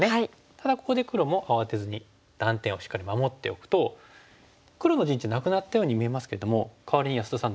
ただここで黒も慌てずに断点をしっかり守っておくと黒の陣地なくなったように見えますけどもかわりに安田さん